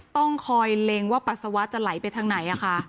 ต้องคอยเล็งว่าปัสสาวะจะไหลไปทางไหน